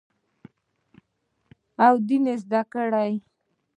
او ديني زدکړې ئې